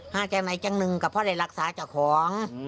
ห้าไปไหนจังหนึ่งก็พอได้รักษาจ้าของ